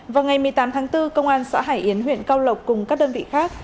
vào ngày một mươi tám tháng bốn công an xã hải yến huyện cao lộc cùng các đơn vị khác